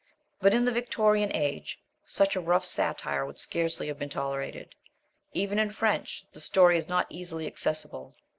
But in the Victorian age such a rough satire would scarcely have been tolerated. Even in French the story is not easily accessible.